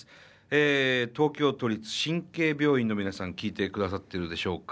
え東京都立神経病院の皆さん聴いてくださってるでしょうか？